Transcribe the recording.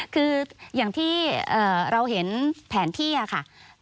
คืออย่างที่เราเห็นแผนที่ค่ะ